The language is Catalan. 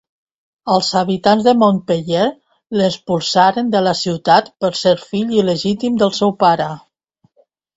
Els habitants de Montpeller l'expulsaren de la ciutat per ser fill il·legítim del seu pare.